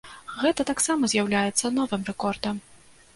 Гэта таксама з'яўляецца новым рэкордам.